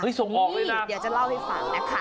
เดี๋ยวจะเล่าให้ฟังนะคะ